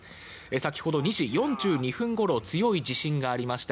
先ほど２時４２分ごろ強い地震がありました。